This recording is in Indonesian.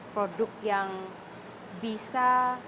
produk yang bisa